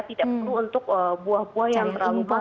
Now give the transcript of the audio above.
tidak perlu untuk buah buah yang terlalu pas